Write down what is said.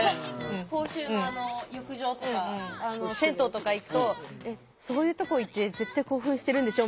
公衆の浴場とか銭湯とか行くと「そういうとこ行って絶対興奮してるんでしょ？」